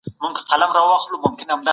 تاسي تل د خپلي سیمي صفايي کوئ.